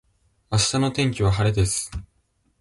明日の天気は晴れです。